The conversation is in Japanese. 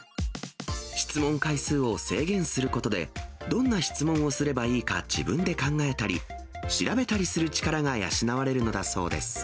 質問回数を制限することで、どんな質問をすればいいか自分で考えたり、調べたりする力が養われるのだそうです。